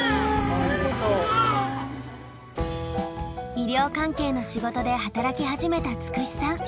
医療関係の仕事で働き始めたつくしさん。